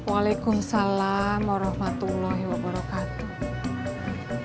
waalaikumsalam warahmatullahi wabarakatuh